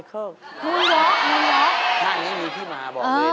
มีแล้วท่านี่มีที่มาบอกก่อน